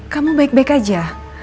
kamu baik baik aja